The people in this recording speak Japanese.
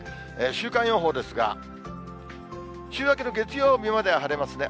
週間予報ですが、週明けの月曜日までは晴れますね。